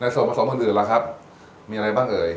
ในส่วนผสมอันอื่นแล้วครับมีอะไรบ้างเอ๋ย